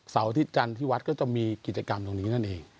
อาทิตยจันทร์ที่วัดก็จะมีกิจกรรมตรงนี้นั่นเอง